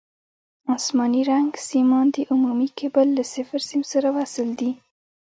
اسماني رنګ سیمان د عمومي کیبل له صفر سیم سره وصل دي.